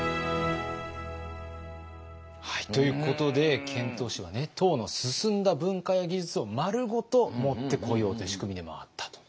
ということで遣唐使は唐の進んだ文化や技術をまるごと持ってこようという仕組みでもあったと。